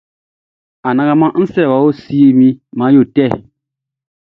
Anangaman mi srɛ wɔ o, siɛ he man yo tɛ.